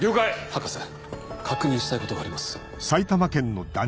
博士確認したいことがあります。